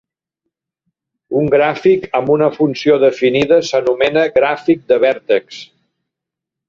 Un gràfic amb una funció definida s'anomena gràfic de vèrtex.